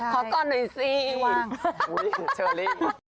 ขอกอดหน่อยสิไม่ว่าง